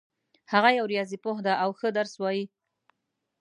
هغه یو ریاضي پوه ده او ښه درس وایي